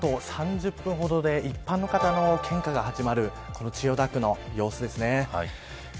こちらが、あと３０分ほどで一般の方の献花が始まる千代田区の様子ですね。